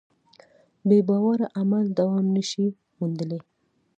بېباوره عمل دوام نهشي موندلی.